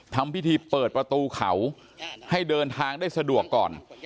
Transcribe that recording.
ทำพิธีเปิดประตูเขาให้เดินทางได้สะดวกก่อน